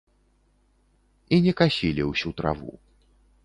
І не касілі ўсю траву.